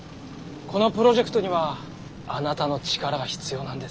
このプロジェクトにはあなたの力が必要なんです。